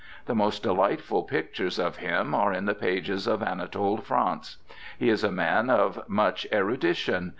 The most delightful pictures of him are in the pages of Anatole France. He is a man of much erudition.